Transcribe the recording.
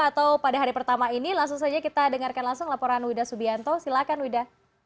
atau pada hari pertama ini langsung saja kita dengarkan langsung laporan wida subianto silakan wida